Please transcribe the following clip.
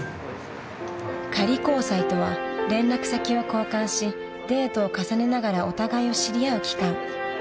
［仮交際とは連絡先を交換しデートを重ねながらお互いを知り合う期間］